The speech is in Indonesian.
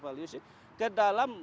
values ini ke dalam